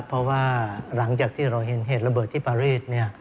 เพราะว่าหลังจากที่เราเห็นเหตุระเบิดที่ปารีส